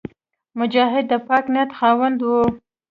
مجاهد د پاک نیت خاوند وي.